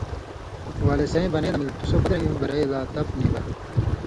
ولے سېں بنَیں لمل تُو سو بَدرَیں برئ لا تَپ نیۡ بہ۔